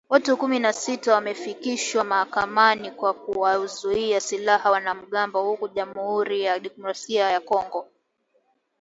Watu kumi na sita wamefikishwa mahakamani kwa kuwauzia silaha wanamgambo huko Jamuhuri ya Kidemokrasia ya Kongo